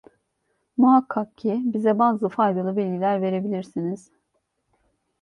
Muhakkak ki bize bazı faydalı bilgiler verebilirsiniz…